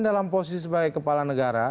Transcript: dalam posisi sebagai kepala negara